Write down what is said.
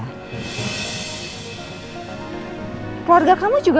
nggak ada yang peduli sama sekali sama kamu ya